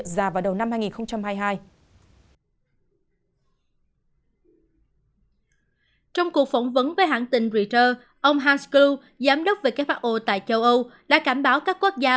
giám đốc who tại châu âu đã cảnh báo các quốc gia